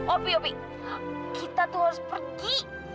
opi opi kita tuh harus pergi